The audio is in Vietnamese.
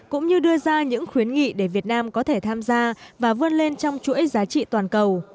cũng như đưa ra những khuyến nghị để việt nam có thể tham gia và vươn lên trong chuỗi giá trị toàn cầu